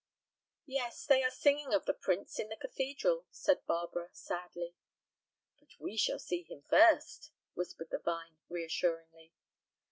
"Yes, they are singing of the prince in the cathedral," said Barbara, sadly. "But we shall see him first," whispered the vine, reassuringly.